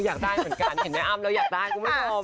อยากได้เหมือนกันเห็นแม่อ้ำแล้วอยากได้คุณผู้ชม